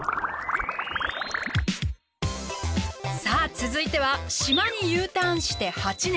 続いては島にＵターンして８年。